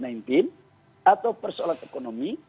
atau persoalan ekonomi